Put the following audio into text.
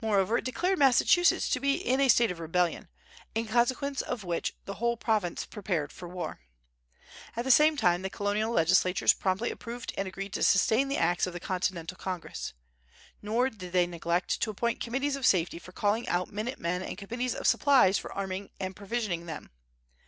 Moreover, it declared Massachusetts to be in a state of rebellion; in consequence of which the whole province prepared for war. At the same time the colonial legislatures promptly approved and agreed to sustain the acts of the Continental Congress. Nor did they neglect to appoint committees of safety for calling out minute men and committees of supplies for arming and provisioning them.